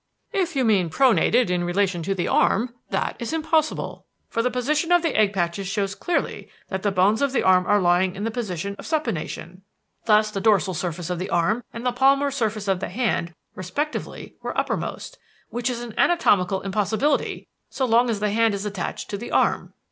"If you mean pronated in relation to the arm, that is impossible, for the position of the egg patches shows clearly that the bones of the arm were lying in the position of supination. Thus the dorsal surface of the arm and the palmar surface of the hand respectively were uppermost, which is an anatomical impossibility so long as the hand is attached to the arm."